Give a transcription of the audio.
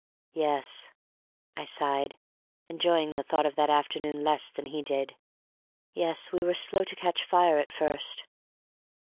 "Yes," I sighed, enjoying the thought of that afternoon less than he did; "yes, we were slow to catch fire at first."